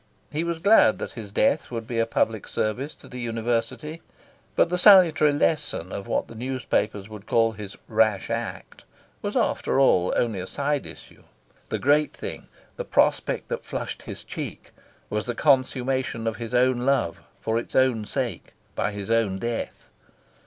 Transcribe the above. He was glad that his death would be a public service to the University. But the salutary lesson of what the newspapers would call his "rash act" was, after all, only a side issue. The great thing, the prospect that flushed his cheek, was the consummation of his own love, for its own sake, by his own death.